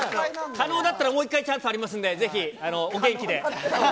可能だったらもう１回チャンスありますんで、ぜひお元気で。